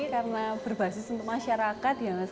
karena berbasis untuk masyarakat